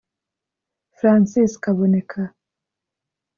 Francis Kaboneka